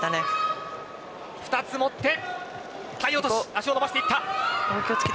２つ持って体落足を伸ばしていった。